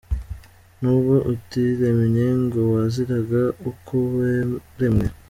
N’ubwo utiremye ngo waziraga uko waremwe